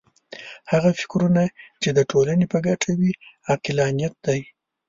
هغه فکرونه چې د ټولنې په ګټه وي عقلانیت دی.